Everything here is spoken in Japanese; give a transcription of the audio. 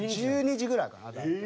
１２時ぐらいかな大体。